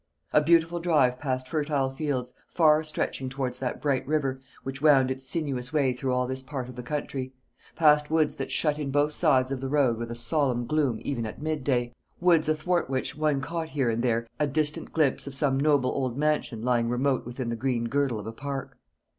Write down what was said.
A beautiful drive past fertile fields, far stretching towards that bright river, which wound its sinuous way through all this part of the country; past woods that shut in both sides of the road with a solemn gloom even at midday woods athwart which one caught here and there a distant glimpse of some noble old mansion lying remote within the green girdle of a park.